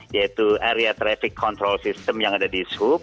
yaitu area traffic control system yang ada di sub